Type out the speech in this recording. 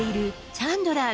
チャンドラー。